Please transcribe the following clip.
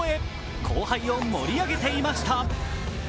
後輩を盛り上げていました。